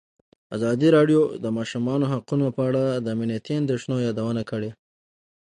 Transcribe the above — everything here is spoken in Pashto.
ازادي راډیو د د ماشومانو حقونه په اړه د امنیتي اندېښنو یادونه کړې.